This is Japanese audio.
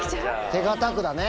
手堅くだね。